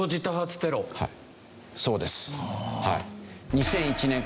そうです。